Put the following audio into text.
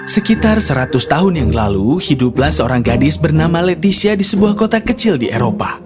sekitar seratus tahun yang lalu hiduplah seorang gadis bernama leticia di sebuah kota kecil di eropa